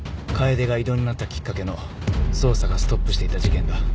楓が異動になったきっかけの捜査がストップしていた事件だ。